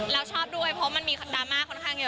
แล้วชอบด้วยเพราะมันมีดราม่าค่อนข้างเยอะ